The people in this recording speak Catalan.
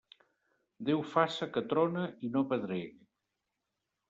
Déu faça que trone i no pedregue.